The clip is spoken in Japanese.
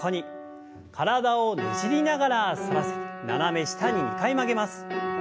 体をねじりながら反らせて斜め下に２回曲げます。